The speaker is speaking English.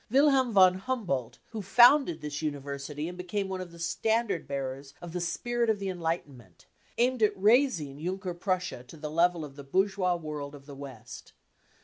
Wilhelm von Humboldt, who founded this university and became one of the standard bearers of the spirit of the Enlightenment, aimed at raising Junker Prussia to the level of the bourgeois world of the West.